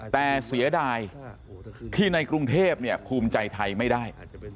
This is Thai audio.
แต่เสียดายที่ในกรุงเทพภูมิใจไทยไม่ได้